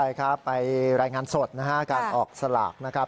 ใช่ครับไปรายงานสดนะฮะการออกสลากนะครับ